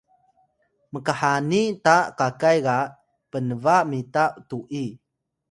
mkhani ta kakay ga pnba mita tu’i